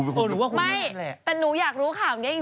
ไม่แต่หนูอยากรู้ข่าวนี้จริง